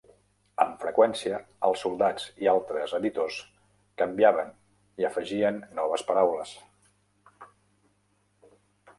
Amb freqüència els soldats i altres editors canviaven i hi afegien noves paraules.